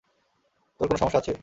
তোর কোন সমস্যা আছে?